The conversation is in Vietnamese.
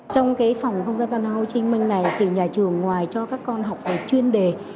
trong phòng không gian văn hóa hồ chí minh này thì nhà trường ngoài cho các con học về chuyên đề